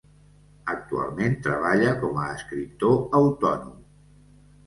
Actualment treballa com a escriptor autònom.